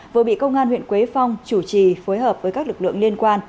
vừa bị công an huyện quế phong chủ trì phối hợp với các lực lượng liên quan